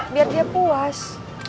biar dia puas